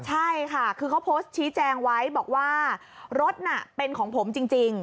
ใช่ค่ะคือเขาโพสต์ชี้แจงไว้บอกว่ารถน่ะเป็นของผมจริง